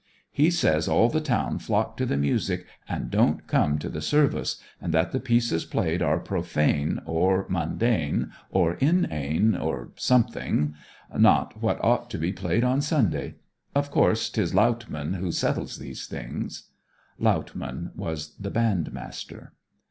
'He says all the town flock to the music and don't come to the service, and that the pieces played are profane, or mundane, or inane, or something not what ought to be played on Sunday. Of course 'tis Lautmann who settles those things.' Lautmann was the bandmaster.